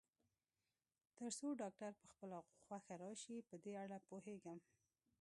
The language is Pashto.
تر څو ډاکټر په خپله خوښه راشي، په دې اړه پوهېږم.